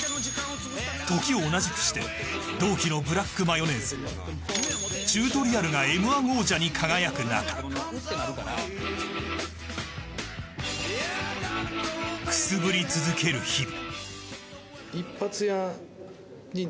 時を同じくして同期のブラックマヨネーズチュートリアルがＭ‐１王者に輝く中くすぶり続ける日々。